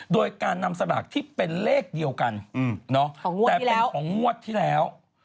โดยการนำสลากที่เป็นเลขเดียวกันแต่เป็นของงวดที่แล้ว